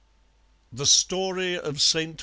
THE STORY OF ST.